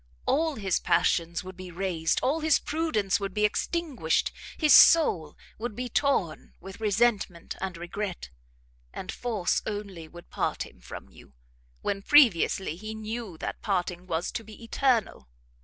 All his passions would be raised, all his prudence would be extinguished, his soul would be torn with resentment and regret, and force, only, would part him from you, when previously he knew that parting was to be eternal.